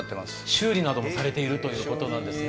修理などもされているということなんですね。